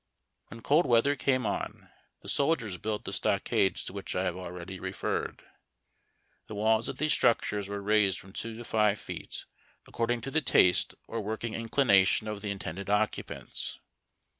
When cold weath er came on, the sol diers built the stock ades to which I have already referred. The walls of these structures were raised from two to live feet, according to the taste or work ing inclination of the intended occupants.